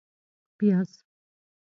🧅 پیاز